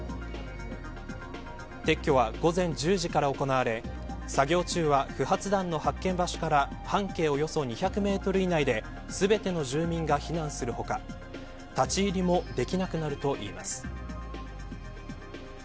撤去は午前１０時から行われ作業中は、不発弾の発見場所から半径およそ２００メートル以内で全ての住民が避難する他立ち入りもできなくなるといいます。